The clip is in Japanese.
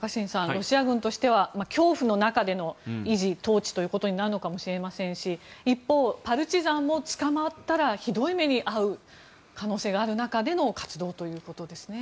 ロシア軍としては恐怖の中での維持・統治ということになるのかもしれませんし一方、パルチザンも捕まったらひどい目に遭う可能性がある中での活動ということですね。